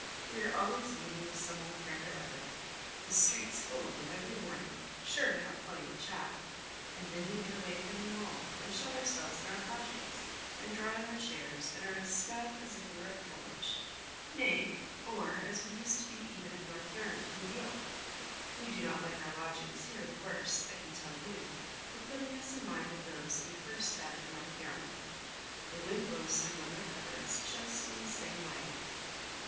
We are always meeting with some old friend or other; the streets full of them every morning; sure to have plenty of chat; and then we get away from them all, and shut ourselves in our lodgings, and draw in our chairs, and are as snug as if we were at Kellynch, ay, or as we used to be even at North Yarmouth and Deal. We do not like our lodgings here the worse, I can tell you, for putting us in mind of those we first had at North Yarmouth. The wind blows through one of the cupboards just in the same way."